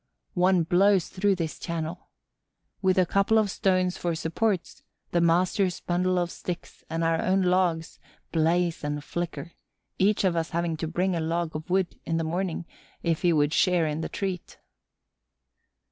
One blows through this channel. With a couple of stones for supports, the master's bundle of sticks and our own logs blaze and flicker, each of us having to bring a log of wood in the morning, if he would share in the treat.